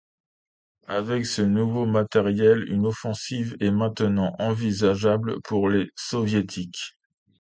Avec ce nouveau matériel, une offensive est maintenant envisageable pour les Soviétiques.